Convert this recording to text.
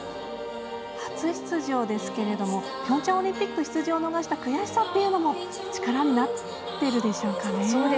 初出場ですけれどもピョンチャンオリンピックの出場を逃した悔しさっていうのも力になってるでしょうかね。